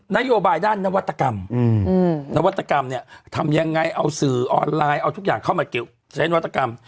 นโยบายด้านนวัตกรรมนวัตกรรมเนี่ยทำยังไงเอาสื่อออนไลน์เอาทุกอย่างเข้ามาเกี่ยวใช้นวัตกรรม